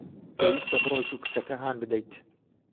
پێویستە بڕۆیت و کچەکە هان بدەیت.